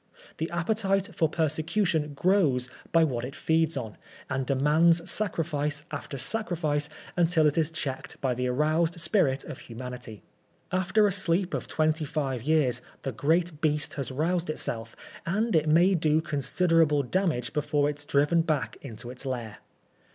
The appetite for persecution grows by what it feeds on, and demands sacriiice after sacrifice until it is checked by the aroused spirit of humanity. After a sleep of twenty five years the great beast has roused itself, and it may do consider able damage before it is driven back into its lair.